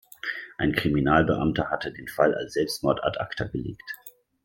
Ein Kriminalbeamter hatte den Fall als Selbstmord ad acta gelegt.